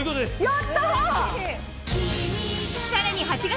やった！